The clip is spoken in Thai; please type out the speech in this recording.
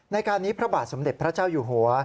ในการนี้พระบาทสมเด็จพระเจ้าอยู่หัว